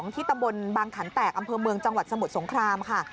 ที่ตำบลบางขันแตกอำเภอเมืองจังหวัดสมุทรสงครามค่ะ